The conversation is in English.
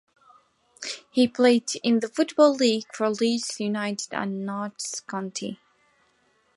He played in the Football League for Leeds United and Notts County.